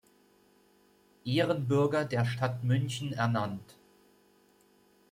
Ehrenbürger der Stadt München ernannt.